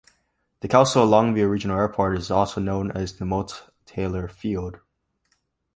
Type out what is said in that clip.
The Kelso-Longview Regional Airport is also known as the "Molt Taylor Field".